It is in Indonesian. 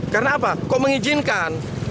karena apa kok mengizinkan